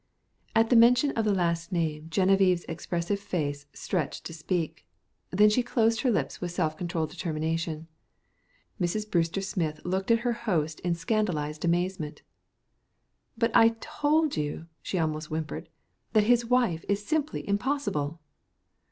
At the mention of the last name Genevieve's expressive face stretched to speak; then she closed her lips with self controlled determination. Mrs. Brewster Smith looked at her host in scandalized amazement. "But I told you," she almost whimpered, "that his wife is simply impossible."